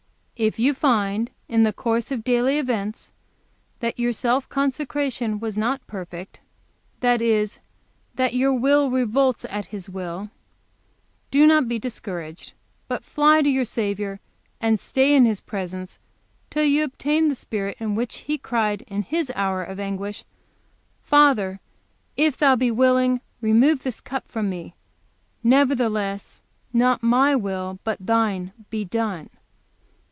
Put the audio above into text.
If you find, in the course of daily events, that your self consecration was not perfect that is, that your will revolts at His will do not be discouraged, but fly to your Saviour and stay in His presence till you obtain the spirit in which He cried in His hour of anguish, 'Father, if Thou be willing, remove this cup from me: nevertheless, not my will but Thine be done.'